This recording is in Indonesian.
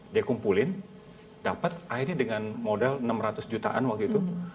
dia kumpulin dapat akhirnya dengan modal enam ratus jutaan waktu itu